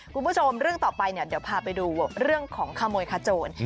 คุณผู้ชมเรื่องต่อไปเนี่ยเดี๋ยวพาไปดูเรื่องของขโมยขโจร